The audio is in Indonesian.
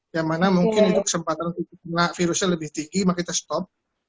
yang mana mungkin itu kesempatan untuk virusnya lebih tinggi maka kita stop